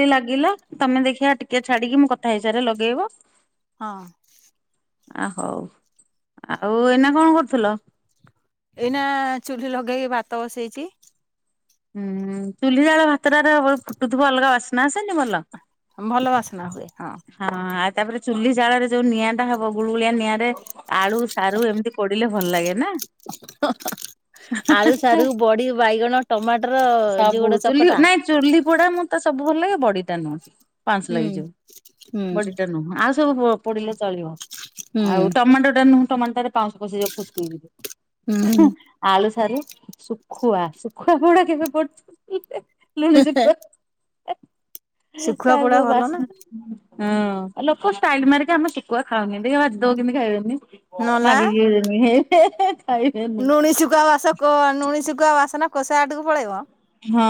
[unintelligible] ଲାଗିଲା ତମେ ଦେଖିଆ ଟିକେ ଛାଡିକି ମୁଁ କଥା ହେଇସାରେ ଲଗେଇବ। ହଁ। ଆ ହୋଉ ଆଉ ଏଇନା କଣ କରୁଥୁଲ? ଏଇନା ଚୁଲି ଲଗେଇକି ଭାତ ବସେଇଚି। ହୁଁ ଚୁଲି ଜାଳ ଭାତଟା ର ଫୁଟୁଥିବ ଅଲଗା ବାସ୍ନା ଆସେନି ଭଲ। ଭଲ ବାସନା ହୁଏ ହଁ। ହଁ ଆଉ ତାପରେ ଚୁଲି ଜାଳରେ ଯୋଉ ନିଆଁ ଟା ହବ ଗୁଳୁଳିଆ ନିଆଁରେ ଆଳୁ, ସାରୁ ଏମିତି ପୋଡିଲେ ଭଲ ଲାଗେ ନା। ଆଳୁ, ସାରୁ, ବଡି, ବାଇଗଣ, ଟମାଟ୍ ସବୁ ଚୁଲି ନାଇଁ ଚୁଲି ପୋଡା ମୁଁ ତ ସବୁ ଭଲ ଲାଗେ ବଡିଟା ନୁହେଁ। ପାଉଁସ ହୁଁ ହୁଁ। ଲାଗିଜିବ ବଡିଟା ନୁହୁଁ ଆ ଉ ସବୁ ପୋଡିଲେ ଚଳିବ ହୁଁ ଆଉ ଟମାଟୋ ଟା ନୁଁହୁଁ ଟମାଟୋରେ ପାଉଁଶ ପଶିଯିବ ଫୁସକିରି। ହୁଁ। ଆଳୁ, ସାର, ଶୁଖୁଆଶୁଖୁଆ ପୋଡା କେବେ ପୋଡିଚନ୍ତି ଲୁଣି ଶୁଖୁଆ। ଶୁଖୁଆ ତାର ପୋଡା ଯୋଉ ଭଲ ନା ବାସ୍ନା। ହଁ ଲୋକ ଷ୍ଟାଇଲି ମାରିକି ଆମେ ଶିକୁଆ ଖାଉନି ଦେଖିଆ ଭାଜି ଦୋବୁ କେମିତି ଖାଇବେନି। ନଲା ମାଗିକି [unintelligible] ହେ ହେ ହେ ନୁଣି ସୁକୁଆ ବାସ କ ନୁଣି ସୁକୁଆ ବାସନା କୋଷେ ବାଟକୁ ପଳେଇବ। ହଁ।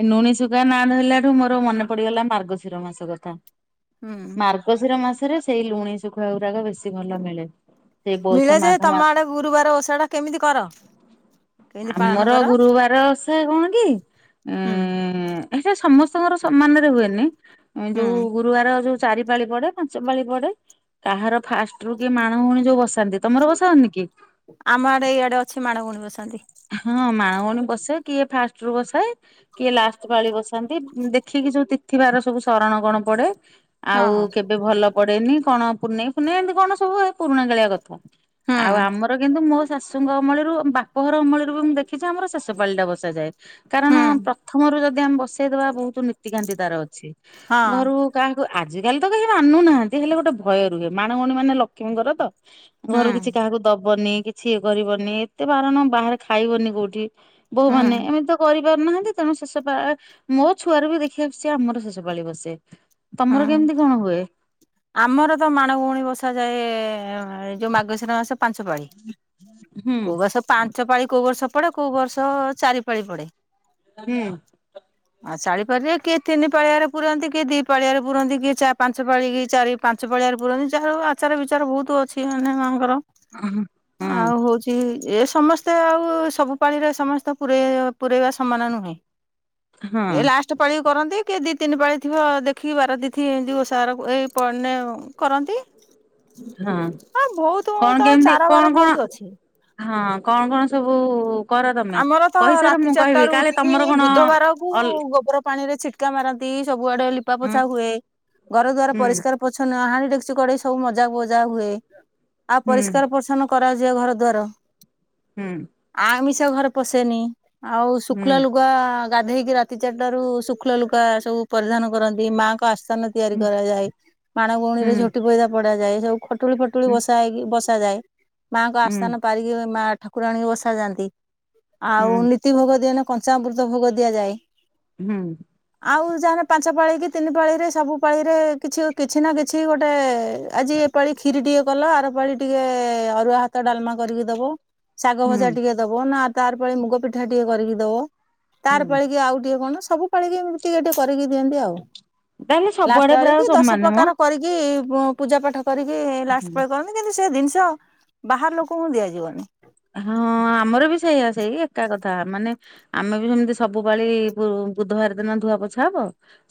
ଏ ଲୁଣି ଶୁକୁଆ ନା ଧରିଲାଠୁ ମୋର ମନେ ପଡିଗଲା ମାର୍ଗଶିର ମାସ କଥା। ହୁଁ। ମାର୍ଗଶିର ମାସରେ ସେଇ ଲୁଣି ଶୁଖୁଆ ଗୁରାକ ବେଶୀ ଭଲ ମିଳେ। ସେଇ ପୌଷ ମିଳେଯେ ମାଘ ତମ ମାସ ଆଡେ ଗୁରୁବାର ଓଷା ଟା କେମିତି କର? କେମିତି ପାଳନ ଆମର କର ଗୁରୁବାର ଓଷା କଣକି ଏଁ ହୁଁ। ହେଟା ସମସ୍ତଙ୍କର ସମାନରେ ହୁଏନି। ଯୋଉ ହୁଁ ଗୁରୁବାର ଯୋଉ ଚାରି ପାଳି ପଡେ ପାଞ୍ଚ ପାଳି ପଡେ। କାହାର ଫାଷ୍ଟ ରୁ କିଏ ମାଣ ଗଉଣୀ ଯୋଉ ବସାନ୍ତି ତମର ବସାଅନି କି? ଆମ ଆଡେ ଇଆଡେ ଅଛି ମାଣଗଉଣି ବସାନ୍ତି। ହଁ ମାଣ ଗଉଣୀ ବସେ କିଏ ଫାଷ୍ଟ ରୁ ବସାଏ। କିଏ ଲାଷ୍ଟ ପାଳି ବସାନ୍ତି ଦେଖିକି ଜଉ ତିଥିବାର ସବୁ ଶରଣ କଣ ପଡେ। ହଁ ଆଉ ହୁଁ। କେବେ ଭଲ ପଡେନି କଣ ପୁନେଇ ଫୁନେଇ ଏମତି କଣ ସବୁ ଏଇ ପୁରୁଣା କାଳିଆ କଥା। ହୁଁ ଆଉ ଆମର କିନ୍ତୁ ମୋ ଶାଶୁଙ୍କ ଅମଳରୁ ବା ପଘର ଅମଳୀରୁ ମୁଁଦେଖିଛି ଆମର ଶେଷପାଳିଟା ବସାଯାଏ। କାରଣ ହଁ ପ୍ରଥମରୁ ଯଦି ଆମେ ବସେଇଦବା ବହୁତ ନୀତିକାନ୍ତି ତାର ଅଛି ଘରୁ କାହାକୁ ଆଜିକାଲି ତ କେହି ମାନୁନାହାଁନ୍ତି ହେଲେ ଗୋଟେ ଭୟ ରୁହେ ମାଣଗୌଣି ମାନେ ଲକ୍ଷ୍ମୀଙ୍କର ତ ହୁଁ ଘରୁ କିଛି କାହାକୁ ଦବନି କିଛି ଇଏ କରିବନି ଏତେ ବାରଣ ବାହାରେ ଖାଇବନି କୋଉଠି ବୋଉ ହୁଁ ମାନେ ଏମିତିତ କରିପାରୁନାହାଁନ୍ତି ତେଣୁ ଶେଷ ପା ମୋ ଛୁଆରୁ ବି ଦେଖିଆସୁଚି ଆମର ଶେଷ ପାଳି ବସେ। ତମର ହୁଁ। କେମିତି କଣ ହୁଏ? ଆମର ତ ମାଣଗଉଣୀ ବସାାଯାଏ ଏ ଯୋଉ ମାଗଶିର ମାସ ପାଞ୍ଚ ପାଳି ହୁଁ କଉ ମାସ ପାଞ୍ଚ ପାଳି କୋଉ ବର୍ଷ ପଡେ କୋଉ ବର୍ଷ ଚାରି ପାଳି ପଡେ। ହୁଁ। ଆଉ ଚାରି ପାଳି ରେ କିଏତିନି ପାଳିଆରେ ପୁରନ୍ତି କିଏ ଦିଇ ପାଳିଆରେ ପୁରନ୍ତି କିଏ ଚା ପାଞ୍ଚ ପାଞ୍ଚ ପାଳିକି ଚାରି ପାଞ୍ଚ ପାଳିଆରେ ପୁରାନ୍ତି ଯାହାର ଆଚାର ବିଚାର ବହୁତ ଅଛି ମାନେ ମାଙ୍କର ହଁ ଆଉ ହଉଛି ଏ ସମସ୍ତେ ଆଉ ସବୁ ପାଳିରେ ସମସ୍ତେ ପୁରେଇବା ସମାନ ନୁହେଁ। ହଁ ଏ ଲାଷ୍ଟ ପାଳି କରନ୍ତି କିଏ ଦି ତିନି ପାଳି ଥିବ ଦେଖିକି ବାରତିଥି ଏନ୍ତି ବ ତାର୍ ଏଇ ପନେ କରନ୍ତି। ହଁ ବହୁତ କଣ ତା କେମତି ଚାର ବାର କଣ କଣ? ବହୁତ ଅଛି ହଁ କଣ କଣ ସବୁ କର ତମେ? ଆମର ତ କହିସାର ରାତି ମୁଁ କହିବି ଚାରିଟାରୁ କାଳେ ଉଠିକି ତମର କଣ ବୁଧବାରକୁ ଅଲ୍ ଗୋବର ପାଣି ରେ ଛିଟ ଟକା ମାରନ୍ତି ସବୁଆଡେ ଲିପା ଉଁ ପୋଛା ହୁଏ ଘର ଦ୍ୱାର ହୁଁ ପରିଷ୍କାର ଚ୍ଛନ୍ନ ହାଣ୍ଡି ଡେ଼କଚି କଡେଇ ସବୁ ମଜା ମଜା ହୁଏ ଆଉ ହୁଁ ପରିଷ୍କାର ପରିଚ୍ଛନ୍ନ କରାଯାଏ ଘର ଦ୍ୱାର। ହୁଁ। ଆମିଷ ଘରେ ପଶେନି ଆଉ ହୁଁ ଶୁକ୍ଳ ଲୁଗ ଆ ଗାଧେଇ କି ରାତି ଚାରିଟାରୁ ଶୁକ୍ଳ ଲୁଗାସବୁ ପାରିଧାନ କରନ୍ତି। ମା ଙ୍କ ଆସନ ତିଆରି ହୁଁ କରାଯାଏ ମାଣ ଗଉଣୀରେ ହୁଁ ଝୋଟି ପଇଦା ପଡା ଯାଏ ସବୁ ଖଟୁଳି ଫଟୁଳି ହୁଁ ବସା ହେଇକି ବସ ବସା ଯାଏ ମାଆଙ୍କ ହୁଁ ଆସ୍ଥାନ ପାରିକି ମା ଠାକୁରାଣୀକି ବସା ଯାଆନ୍ତି। ହୁଁ ଆଉ ନୀତି ଭୋଗ ଦିଏ ନା କଞ୍ଚାମୃତ ଭୋଗ ଦିଆଯାଏ। ହୁଁ। ଆଉ ଯାହାନେ ପାଞ୍ଚ ପାଳି କି ତିନି ପାଳିରେ ସବୁ ପାଳିରେ କିଛି କିଛି ନା କିଛି ଗୋଟେ ଆଜି ପାଳି ଖୀରି ଟିକେ କଲ ଆର ପାାଳି ଟିକେ ଅରୁଆ ଭାତ ଡାଲମା କରିକି ଦବ। ଶାଗ ହୁଁ ଭଜା ଟିକେ ଦବ ନା ତା ଆରପାଳି ମୁଗ ପିଠା ଟିକେ କରିକି ଦବ। ତାର ହୁଁ ପାଳିକି ଆଉ ଟିକେ କଣ ସବୁ ପାଳିକି ଏମିତି ଟିକେ ଟିକେ କରିକି ଦିଅନ୍ତି ଆଉ। ତାହେଲେ ଲାଷ୍ଟ ସବୁଆଡେ ପାଳି ପ୍ରାୟ କି ଦଶ ସମାନ ପ୍ରକାର ମ। କରିକି ପୂଜା ପାଠ କରିକି ଲାଷ୍ଟ ବେଳେ କଣ? କିନ୍ତୁ ସେ ଜିନିଷ ବାହାର ଲୋକଙ୍କୁ ଦିଆଯିବନି। ହଁ ଆମର ବି ସେଇଆ ସେଇ ଏକା କ ଥା ମାନେ ଆମେ ବି ସେମତି ସବୁ ପାଳି ବୁ-ବୁଧବାର ଦିନ ଧୁଆ ପୋଛା ହବ।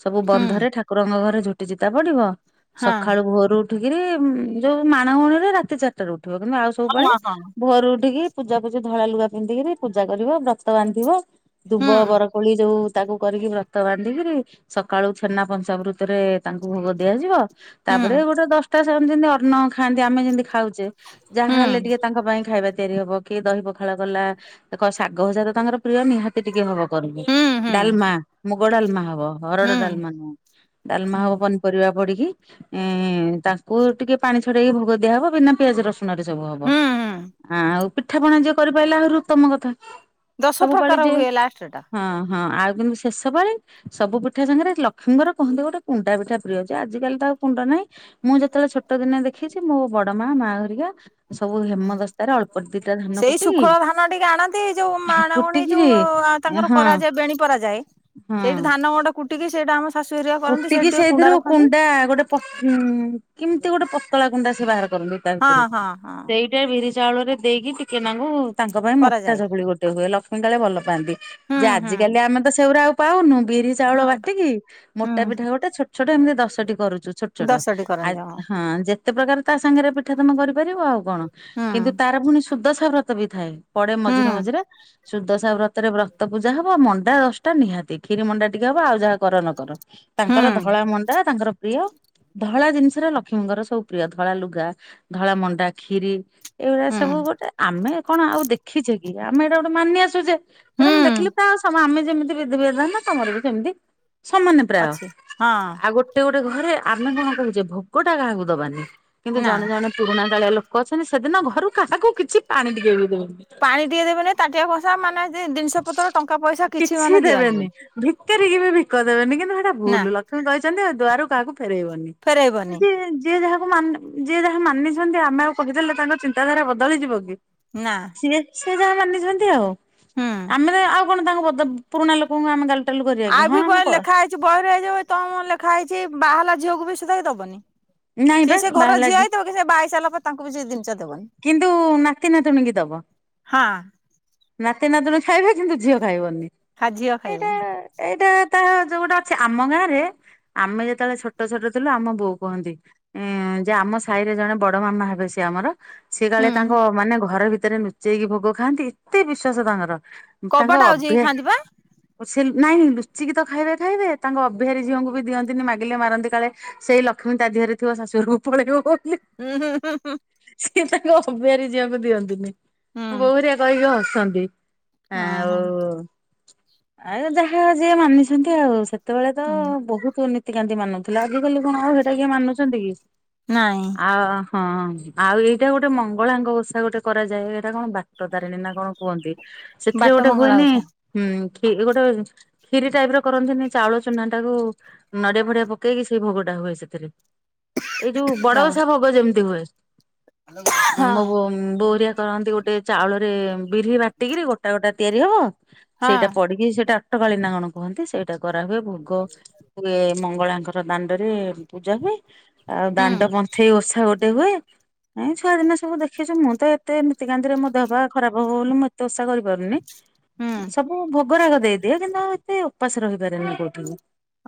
ସବୁ ହୁଁ ବନ୍ଧରେ ଠାକୁରଙ୍କ ଘରେ ଝୁଟି ଚିତା ପଡିବ ହଁ ସଖାଳୁ ଭୋରୁ ଉଠିକିରି ଯୋଉ ମାଣ ଗୌଣିରେ ରାତି ଚାରିଟାରୁ ଉଠିବ କିନ୍ତୁ ଆଉ ସବୁ ପାଳି ହଁ ହଁ ଭୋରୁ ଉଠିକି ପୂଜା ପୂଜି ଧଳା ଲୁଗା ପିନ୍ଧିକିରି ପୂଜା କରିବ ବ୍ରତ ବାନ୍ଧିବ ହୁଁ ଦୁବ ବରକୋଳି ଯୋଉ ତାକୁ କରିକି ବ୍ରତ ବାନ୍ଧିକିରି ସକାଳୁ ଛେନା ପଞ୍ଚାମୃତରେ ତାଙ୍କୁ ଭୋଗ ଦିଆଯିବ। ହୁଁ ତାପରେ ଗୋଟେ ଦଶଟା ସେ ଯେନ୍ତି ଅର୍ଣ୍ଣ ଖାଆନ୍ତି ଆମେ ଯେନ୍ତି ଖାଉ ଚେ ଯାହା ହେଲେ ହୁଁ। ଟିକେ ତାଙ୍କ ପାଇଁ ଖାଇବା ତିଆରି ହବ କିଏ ଦହି ପଖାଳ କଲା ଦେଖ ଶାଗ ଭଜା ତ ତାଙ୍କର ପ୍ରିୟ ନିହାତି ଟିକେ ହବ। କରିବେ ହୁଁ ହୁଁ ଡାଲମା ମୁଗ ଡାଲମା ହବ ହରଡ ହୁଁ ଡାଲମା ନୁହଁ ଡାଲମା ହୁଁ ହବ ପ ପରିବା ପଡିକି ଏଁ ତାଙ୍କୁ ଟିକେ ପାଣି ଛଡେଇକି ଭୋଗ ଦିଆହବ ବିନା ପିଆଜ ରସୁ ନରେ ସବୁ ହବ ହୁଁ ହୁଁ ଆ ଆଉ ପିଠା ପଣା ଯିଏ କରିପାଇଲା ଆହୁରି ଉତ୍ତମ କଥା। ଦଶ ସବୁ ପାଳି ପ୍ରକାର ଯେ ହୁଏ ଲାଷ୍ଟ ଟା। ହଁ ହଁ ଆଉ କିନ୍ତୁ ଶେଷ ପାଳି ସବୁ ପିଠା ସାଙ୍ଗେରେ ଲକ୍ଷ୍ମୀଙ୍କର କହନ୍ତି ଗୋଟେ କୁଣ୍ଡା ପିଠା ପ୍ରିୟ ଅଛି ଆଜିକାଲି ତ ଆଉ କୁଣ୍ଡା ନାହିଁ। ମୁଁ ଯେତବେଳେ ଛୋଟ ଦିନେ ଦେଖିଛି ମୋ ବଡ ମା ମା ହରିକା ସବୁ ହୁଁ। ହେମଦସ୍ ସେଇ ଶୁଖଳ ଧାନ ଟିକେ ଆଣନ୍ତି ଯୋଉ ମାଣ ଗଉଣି କୁଟିକିରି ଯୋଉ ତାଙ୍କର କରାଯାଏ ବେଣୀ ପରା ଯାଏ। ହୁଁ। ସେଠି ଧାନ ଗୋଟେ କୁଟିକି ସେଇଟା ଆମ ହେରିକା କରନ୍ତି କୁଟିକି ସେଇଠି ଟିକେ ସେଇଥିରୁ ରଖନ୍ତି କୁଣ୍ଡା ଗୋଟେ ପ ଉଁ କିମତି ଗୋଟେ ପ ପତଳା କୁଣ୍ଡା ସେ ବାହାର କରନ୍ତି ତା ହଁ ଭିତୁରୁ ହଁ ହଁ। ସେଇଟା ବିରି ଚାଉଳରେ ଦେଇକି ଟିକେ ନାଙ୍କୁ ତାଙ୍କ ପାଇଁ ମୋଟା କରାଯାଏ। ଚକୁଳି ଗୋଟେ ହୁଏ ଲକ୍ଷ୍ମୀ କାଳେ ଭଲ ପାଆନ୍ତି ହୁଁ ଯେ ହୁଁ ଆଜିକାଲି ଆମେ ତ ସେଗୁରା ଆଉ ପାଉନୁ ବିରି ଚାଉଳ ହୁଁ ବାଟିକି ମୋଟା ହୁଁ ପିଠା ଗୋଟେ ଛୋଟ ଛୋଟ ଏମିତି ଦଶଟି କରୁଚୁ ଛୋଟ ଛୋଟ ଦଶଟି ଆ କରନ୍ତି ହଁ ଯେତେ ପ୍ରକାର ତା ସାଙ୍ଗେରେ ପିଠା ତମେ କରିପାରିବ ଆଉ କଣ ହୁଁ କିନ୍ତୁ ତାର ଫୁଣି ସୁଦଶା ବ୍ରତ ବି ଥାଏ ପଡେ ହୁଁ ମଝିରେ ମଝିରେ ସୁଦଶା ବ୍ର ତରେ ବ୍ରତ ପୂଜା ହବ ମଣ୍ଡା ଦଶଟା ନିହାତି କ୍ଷୀରି ମଣ୍ଡା ଟିକେ ହବ ଆଉ ଯାହା କର ନ କର। ହୁଁ ତାଙ୍କର ଧଳା ମଣ୍ଡା ତାଙ୍କର ପ୍ରିୟ। ଧଳା ଜିନିଷରେ ଲକ୍ଷ୍ମୀଙ୍କର ସବୁ ପ୍ରିୟ ଧଳାଲୁଗା, ଧଳା ମଣ୍ଡା କ୍ଷୀରି। ଏଇଗୁରାକ ହୁଁ ସବୁ ଗୋଟେ ଆମେ କଣ ଆଉ ଦେଖିଚେ କି ଆମେ ଏଇଟା ଗୋଟେ ମାନି ଆସୁଚେ। ଧର ମୁଁ ହୁଁ ଦେଖିଲି ପ୍ରାୟ ସ ଆମେ ଯେମିତି ବିଧିବିଧାନ ତମର ବି ସେମତି ସମାନ ପ୍ରାୟ ଅଛି ହଁ ଆଉ ଗୋଟେ ଗୋଟେ ଘରେ ଆମେ କଣ କହୁଚେ ଭୋଗ ଟା କାହାକୁ ଦବାନି। କିନ୍ତୁ ନା। ଜଣେ ଜଣେ ପୁରୁଣା କାଳିଆ ଲୋକ ଅଛନ୍ତି ସେଦିନ ଘରୁ କାହାକୁ କିଛି ପାଣି ଟିକେ ବି ଦେବେନି। ପାଣି ଟିକେ ଦେବେନି ତାଟିଆ କଂସା ମାନେ ଜି-ଜିନିଷ ପତ୍ର ଟଙ୍କା ପଇସା କିଛି ମାନେ ଦିଆଯିବନି। ଭିକାରୀ କି ବି ଭିକ ଦେବେନି କିନ୍ତୁ ସେଇଟା ନା। ଭୁଲ ଲକ୍ଷ୍ମୀ କହିଛନ୍ତି ଦୁଆରୁ କାହାକୁ ଫେରଇବନି ଫେରେଇବନି ଯିଏ ଯିଏ ଯାହାକୁ ମା ଯିଏ ଯାହା ମାନିଛନ୍ତି ଆମେ ଆଉ କହିଦେଲେ ତାଙ୍କ ଚିନ୍ତାଧାରା ବଦଳିଯିବ କି। ନା। ଚିଏ ସିଏ ଯାହା ମାନିଛନ୍ତି ଆଉ ହୁଁ ଆମେ ତ ଆଉ କଣ ତାଙ୍କ ବଡ ପୁରୁଣା ଲୋକଙ୍କୁ ଆମେ କା ଆଉ ବି ବଇରେ ଲେଖା ହେଇଛି ବହିରେ ଏଇ ଯୋଉ ତ ମ ଲେଖା ହେଇଛି ବାହା ହେଲା ଝିଅକୁ ବି ସୁଧା ଇ ଦବନି। ନାଇଁ ବା ସିଏ ସିଏ ବାହା ଘରର ହେଲା ଝିଅ ଝି ହେଇଥିବ କି ସେ ବାହା ହେଇସାଇଲା ପରେ ତାଙ୍କୁ ବି ସେ ଜିନିଷ ଦବନି। କିନ୍ତୁ ନାତି ନାତୁଣୀ ଙ୍କି ଦବ। ହଁ ନାତି ନାତୁଣୀ ଖାଇବେ କିନ୍ତୁ ଝିଅ ଖାଇବନି ଖା ଝିଅ ଏଇଟା ଖାଇବନି ଏଇଟା ତା ଯୋଉ ଗୋଟେ ଅଛି ଆମ ଗାଁ ରେ ଆମେ ଯେତେବେଳେ ଛୋଟ ଛୋଟ ଥିଲୁ ଆମ ବୋଉ କୁହନ୍ତି। ଉଁ ଯେ ଆମ ସାଇରେ ଜଣେ ବଡ ମାମା ହେବେ ସିଏ ଆମର ସିଏ କାଳେ ହୁଁ ତାଙ୍କ ମାନେ ଘର ଭିତରେ ନୁଚେଇକି ଭୋଗ ଖାଆନ୍ତି ଏତେ ବିଶ୍ଵାସ ତାଙ୍କର। କବାଟ ତାଙ୍କ ଆଉଜେଇ କି ଅଭ୍ୟା ଖାଆନ୍ତି ପା। ସେ ନାଇଁ ଲୁଚିକି ତ ଖାଇବେ ଖାଇବେ ତାଙ୍କ ଅବେହାରୀ ଝିଅଙ୍କୁ ବି ଦିଅନ୍ତିନି ମାଗିଲେ ମାରନ୍ତି କାଳେ। ସେଇ ଲକ୍ଷ୍ମୀ ତା ଦିହେରେ ଥିବ ଶାଶୁୁଘରୁକୁ ପଳେଇବ ବୋଲି। ଉଁ ହୁଁ ହୁଁ ହୁଁ। ସିଏ ତାଙ୍କ ଅବହାର ଝିଅଙ୍କୁ ଦିଅନ୍ତିନି ହୁଁ ହୁଁ ବୋହରିଆ କହିକି ହସନ୍ତି ହଁ ହଁ ଆଉ ଆଉ ଯାହା ଯିଏ ମାନିଛନ୍ତି ଆଉ ସେ ସେତେବେଳେ ତ ହଁ ବହୁତ ନୀତିକାନ୍ତି ମାନୁଥିଲା, ଆଜଜିିକାଲି କଣ ଆଉ ସେଟା କିଏ ମାନୁଛନ୍ତି କି? ନାଇଁ। ଆଉ ହଁ ଆଉ ଏଇଟା ଗୋଟେ ମଙ୍ଗଳାଙ୍କ ଓଷା ଗୋଟେ କରାଯାଏ, ଏଇଟା କଣ ବାଟ ତାରିଣୀ ନା କଣ କୁହନ୍ତି ସେଥିରେ ବାଟ ଗୋଟେ ମଙ୍ଗଳା ହୁଏନି, ଓଷା ହଁ କି ଗୋଟେ କ୍ଷରି ଟାଇପ ର କରନ୍ତିନି ଚାଉଳ ଚାଉଳ ଚୂନା ନଡିଆ ଫଡିଆ ପକେଇକି, ସେଇ ଭୋଗ ଟା ହୁଏ ସେଥିରେ ଏଇ ଯୋଉ ହଁ ବଡ ବଷା ଭୋଗ ଯେମିତି ହୁଏ ହଁ ମୋ ବୋରିଆ କରନ୍ତି ଗୋଟେ ଚାଉଳରେ ବିରି ବାଟିକିରି ଗୋଟେ ଟ ଗୋଟା ତିଆରି ହବ ହଁ ସେଇଟା ପଡିକି ସେଇଟା ଅଟକାଳିୀ ନା କଣ କହନ୍ତି ସେଇଟା କରା ହୁଏ। ଭୋଗ ମଙ୍ଗଳାଙ୍କର ଦାଣ୍ଡରେ ପୂଜା ହୁଏ ଆଉ ହୁଁ ଦାଣ୍ଡ ପନ୍ଥେଇ ଓଷା ଗୋଟେ ହୁଏ। ନାଇଁ ଛୁଆ ଦିନ ଦେଖିଛୁ ମୁଁ ତ ଏତେ ନୀତିକାନ୍ତିରେ ମଧ୍ୟ ହବା ଖରାପ ହବ ବୋଲି ମୁଁ ଏତେ ଓଷା କରିବି ହୁଁ ସବୁ ଭୋଗରାଗ ଦେଇଦିଏ, କିନ୍ତୁ ଆଉ ଏତେ ଉପାସ ରହିପାରେନି କୋଉଠି।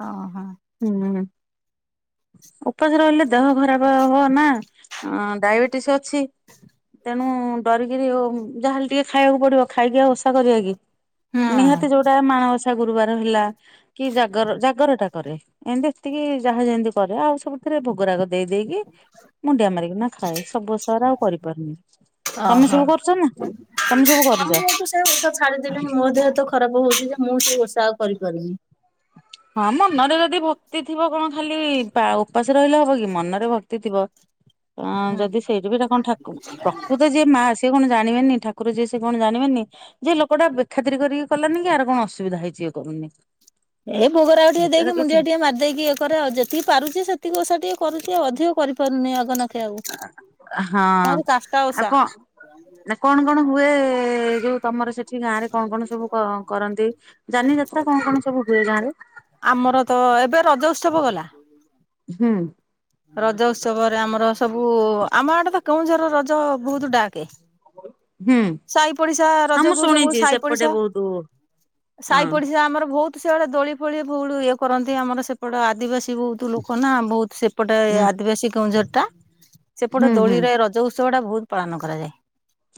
ଓହୋ। ହୁଁ ଉପାସ ରହିଲେ ଦେହ ଖରାପ ହବ ନା। ଅ ଡାଇବେଟିସ୍ ଅଛି ତେଣୁ ଡରି ଯାହାେଲେ ଟିକେ ଖାଇବାକୁ ପଡିବ, ଖାଇକି ଆଉ ଓଷା କରିବା କି? ହୁଁ ନିହାତି ଯୋଉଟା ମାଣବସା ଗୁରୁବାର ହେଲା, କି ଜାଗର ଜାଗର ଏମିତି ଏତିକି ଯାହା ଯେମିତି କରେ ଆଉ ସବୁଥିରେ ଭୋଗରାଗ ଦେଇଦେଇକି ମୁଣ୍ଡିଆ ମାରିବ ନା ଖାଏ ସବୁ ସରା ଆଉ କରିପାରୁନି। ତମେ ଓହୋ ସବୁ କରୁଛ ନା ତମେ ସବୁ ହଁ କରୁଛ? ମୁଁ ତୁ ସେ ଉଶା ଛାଡିଦେବି ମୋ ଦେହ ତ ଖରାପ ହଉଛି ଯେ ମୁଁ ସେ ଓଷା କରିପାରିବିନି। ହଁ ମନରେ ଯଦି ଭକ୍ତି ଥିବ କଣ ଖାଲି ଉପାସ ରହିଲେ ହବ କି? ମନରେ ଭକ୍ତି ଥିବ ଅ ହୁଁ। ଯଦି ସେଇଠି ବିଟ ତ କଣ ଠା ପ୍ରକୃତ ଯିଏ ମା ସିଏ କଣ ଜାଣିବେନି, ଠାକୁର ଯିଏ ସେ କଣ ଜାଣିବେନି ଯେ ଲୋକଟା ବେଖାତିରି କରିକି କଲାନି, କି ଆର କଣ ଅସୁବିଧା ହେଇଛି ଇଏ କରୁନି। ଏ ଭୋଗରାଗ ଟିକେ ଏଇଟାର ଦେଇକି, କିଛି ମୁଣ୍ଡିଆ ଟିକେ ମାରିଦେଇକି, ଇଏ କରେ ଆଉ ଯେତିକି ପାରୁଛି ସେତିିକି ଓଷା ଟିକେ କରୁଛି ଆଉ ଅଧିକ କରିପାରୁନି ଆଗନାଖେ ଆଉ ହଁ ଆଉରି ଚାରିଟା ଆଉ ଓଷା। କଣ ନା କଣ କଣ ହୁଏ ଯୋଉ ତମର ସେଠି କିଛି ଗାଁ ରେ କଣ କଣ ସବୁ କରନ୍ତି, ଯାନି ଯାତ୍ରା କଣ କଣ ସବୁ ହୁଏ ଗାଁରେ। ଆମର ତ ଏବେ ରଜ ଉତ୍ସବ ଗଲା। ହୁଁ। ରଜ ଉତ୍ସବରେ ଆମର ସବୁ, ଆମ ଆଡେ ତ କେଉଁଝର ରଜ ବହୁତ ଡାକେ ହୁଁ। ସହି ପଡିଶା ହଁ ରଜ ମୁଁ କୁ ସବୁ ଶୁଣିଛି ସାଇ ସେପଟେ ପଡିଶା, ବହୁତ ସାହି ହଁ ପଡିଶା ଆମର ବହୁତ ସେଆଡେ ଦୋଳି ଫୋଳି ବହୁତ ଇଏ କରନ୍ତି ଆମର ସେପଟେ ଆଦିବାସୀ ବହୁତ। ଲୁକ ନା ବହୁତ ସେପଟେ ହୁଁ ଆଦିବାସୀ କେଁଉଝର ଟା, ସେପଟେ ହୁଁ ହୁଁ ଦୋଳିରେ ରଜ ଉସ ଉତ୍ସବ ଟା ବହୁତ ପାଳନ କରାଯାଏ।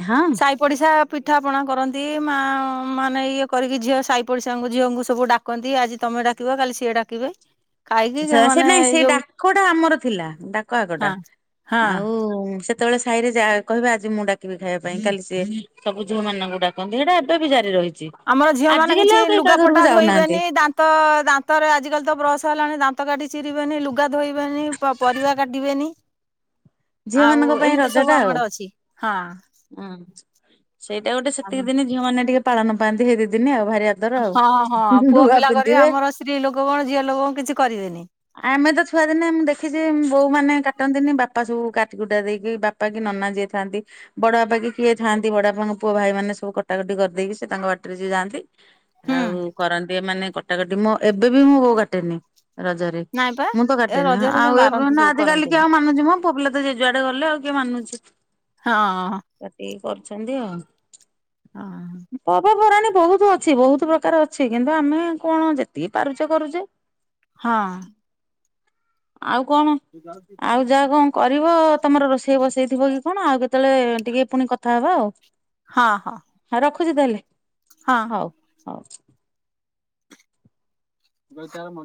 ହଁ। ସାଇ ପଡିଶା ପିଠାପଣା କରନ୍ତି ମା ମାନେ ଇଏ କରିକି ଝିଅ ସାହି ପଡ଼ିସାଙ୍କୁ, ଝିଅଙ୍କୁ ସବୁ ଡାକନ୍ତି, ଆଜି ତମେ ଡାକିବ କାଲି ସିଏ ଡାକ କିି ପାଇଁ? ସେ ନାଇଁ ସେ ଡାକଟା ଆମର ଥିଲା ଡାକ ଆଗଟା ହଁ ହଁ ଆଉ ସେତେବେଳେ ସାହି ରେ ଯାହା କହିବେ ଆଜି ମୁଁ ଡାକିବି ଖାଇବା ପାଇଁ, କାଲି ସିଏ ସବୁ ଝିଅ ମାନଙ୍କୁ ଡାକନ୍ତି ସେଇଟା ଏବେ ବି ଜାରି ରହିଛି। ଆମର ଝିଅ ମାନେ ଆଜିକାଲି କିଛି ଆଉ କେହି କାହା ଘରକୁ ଲୁଗାପଟା ଯାଉନାହାନ୍ତି ଧୋଇବେନି ଦା ଦ ତ ଦାନ୍ତରେ ଆଜିକାଲି ତ ବ୍ରସ ହେଲାଣି ଦାନ୍ତ କାଟିି ଚିରିବେନି ଲୁଗା ଧୋଇବେନି ପରିବା କାଟିବେନି ଝିଅ ଆଉ ମାନଙ୍କ ପାଇଁ ଏମିତି ରଜ ସବୁ ଟା ଆମ ଆଉ ଆଡେ ଅଛି ହଁ ହଁ। ସେଇଟା ଗୋଟେ ସେତିକି ଦିନ ଝିଅ ମାନେ ଟିକେ ପାଳନ ବାନ୍ଧିବେ ଦି ଦିନ ଆଉ ଭାରି ଆଦର ଆଉ। ହଁ ହଁ ପୁଅ ନୂଆ ପିଲା କରିବେ ପିନ୍ଧିବେ। ଆମର ସ୍ତ୍ରୀ ଲୋକ କଣ ଝିଅ ଲୋକ କଣ କିଛି କରିବେନି? ଆମେ ତ ଛୁଆଦିନେ ମୁଁ ଦେଖିଛି ବୋଉମାନେ କାଟନ୍ତିନି ବା ବାପା ସବୁ କାଟିକୁୁଟା ଦେଇକି ବାପା କି ନନା ଯିଏ ଥାଆନ୍ତି। ବଡ ବାପା କି କିଏ ଥାଆନ୍ତି ବଡ ବାପାଙ୍କ ପୁଅ ଭାଇ ମାନ ସବୁ କଟାକଟି କରିଦେଇକି ସେ ତାଙ୍କ ବାଟରେ ଯିଏ ଯାଆନ୍ତି। ହୁଁ ଆଉ କରନ୍ତି ମାନେ କଟାକଟି ମୁଁ ଏବେ ବି ମୁଁ ବୋଉ କାଟେନି ରଜରେ ନାଇଁ ପା ମୁଁ ତ ଏ କାଟନି ରଜରେ ସେ ଆଉ ଏ ମାରନ୍ତି ସବୁ ଆଜିିକାଲିି କିଏ କରନ୍ତିନି ଆଉ ମାନୁଛି ମ? ପୁଅ ପିଲା ତ ଜେଜୁଆଡେ ଗଲେ ଆଉ କିଏ ମାନୁଛି? ହଁ। କାଟିକି କରୁଛନ୍ତି ହଁ ଆଉ ପରାଣୀ ବହୁତ ଅଛି ବହୁତ ପ୍ରକାର ଅଛି କିନ୍ତୁ ଆମେ କଣ ଯେତିକି ପାରୁଛେ କରୁଛେ? ହଁ। ଆଉ କଣ ଆଉ ଯାହା କଣ? କରିବ ତମର ରୋଷେଇ ବସେଇଥିବ କି କଣ ଆଉ କେତେବେଳେ ଟିକେ ପୁଣି କଥାହବା ଆଉ ହଁ ହଁ। ହଁ ରଖୁଛି ତାହେଲେ। ହଁ। ହଉ ହଉ। [inaudible]